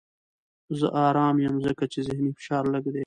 زه ارام یم ځکه چې ذهني فشار لږ دی.